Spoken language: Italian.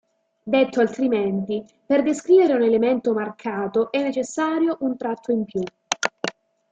Detto altrimenti, per descrivere un elemento marcato è necessario un tratto in più.